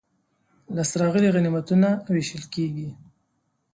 لاسته راغلي غنیمتونه وېشل کیږي.